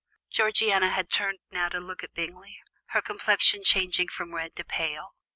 Georgiana had turned now to look at Bingley, her complexion changing from red to pale.